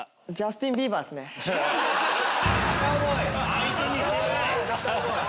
相手にしてない！